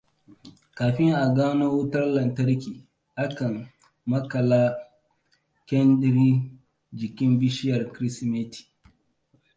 Kafin a gano wutar kantarki, akan maƙala kyandira jikin bishiyar Kirsimeti.